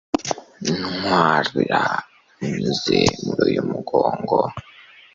ntwara unyuze muri uyu mugongo